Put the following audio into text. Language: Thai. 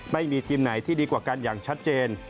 ไม่มีทีมไหนที่ดีกว่ากันอย่างชัดเจน